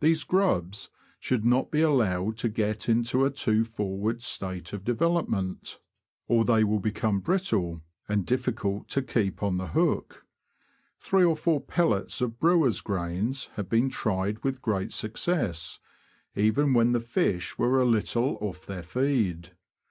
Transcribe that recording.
These grubs should not be allowed to get into a too forward state of development, or they will become brittle, and difficult to keep on the hook. Three or four pellets of brewers' grains have been tried with great success, even when the fish were a little off their feed.